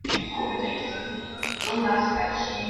Mwaka wa elfu moja mia tisa sabini na nne